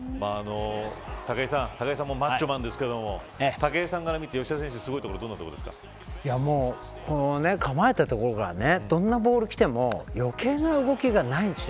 武井さんもマッチョマンですけれども武井さんから見て吉田選手のすごいところは構えたところからどんなボールがきても余計な動きがないんですよ。